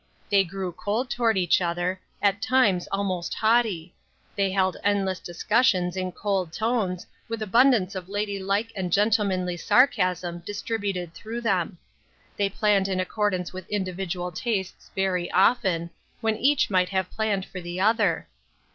They grew cold toward each other, at times almost haughty ; they held endless discus sions in cold tones, with abundance of lady like and gentlemanly sarcasm distributed through them ; they planned in accordance with individual tastes very often, when each might have planned for the other.